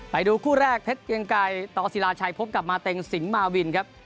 ไปดูคู่แรกเพชรเกียงไกรต่อศิลาชัยพบกับมาเต็งสิงหมาวินครับ